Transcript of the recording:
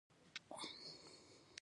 د تولید نېټه به لیکل کېده